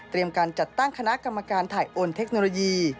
เตรียมการจัดตั้งคณะกรรมการไถโอนเทคโนโลยี